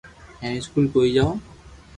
ھين اسڪول ڪوئي جاو